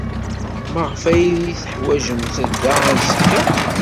Maɣef ay iyi-teḥwajemt da azekka?